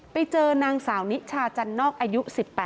ไปเจอนางสาวนิชาจันนอกอายุ๑๘